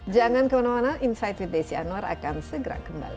jangan kemana mana insight with desi anwar akan segera kembali